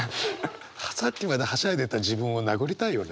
さっきまではしゃいでた自分を殴りたいよね。